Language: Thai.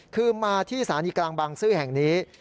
คือมาที่สถานีกลางบางซื่อแห่งนี้